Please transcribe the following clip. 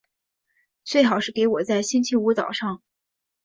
最好是给我在星期五早上